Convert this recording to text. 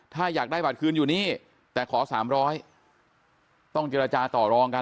ถ้าอยากได้บัตรคืนอยู่นี่แต่ขอ๓๐๐ต้องเจรจาต่อรองกัน